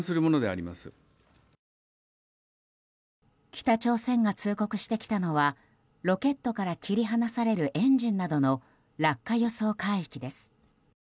北朝鮮が通告してきたのはロケットから切り離されるエンジンなどの落下予想海域です。